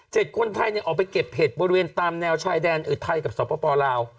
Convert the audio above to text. คนไทยเนี่ยออกไปเก็บเห็ดบริเวณตามแนวชายแดนไทยกับสปลาว